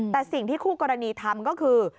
แต่สิ่งที่คู่กรณีทำก็คือ